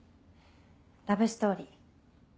ラブストーリー。